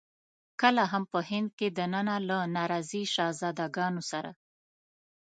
کله هم په هند کې دننه له ناراضي شهزاده ګانو سره.